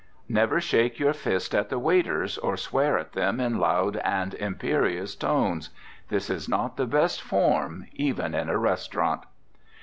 Never shake your fist at the waiters, or swear at them in loud and imperious tones. This is not the best form even in a restaurant.